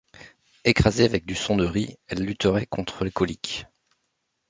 Écrasées avec du son de riz, elles lutteraient contre les coliques.